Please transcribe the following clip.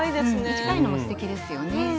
短いのもすてきですよね。